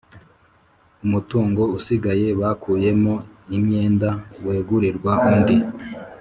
Umutungo usigaye bakuyemo imyenda wegurirwa undi